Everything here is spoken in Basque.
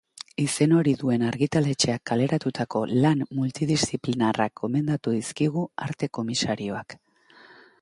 Izen hori duen argitaletxeak kaleratutako lan multidisziplinarrak gomendatu dizkigu arte komisarioak.